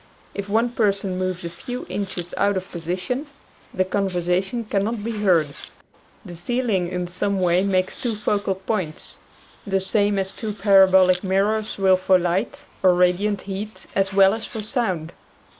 If one person moves a few inches out of position the conversation cannot be heard. The ceiling in some way makes two focal points the same as two para bolic mirrors will for light or radiant heat as well as for sound.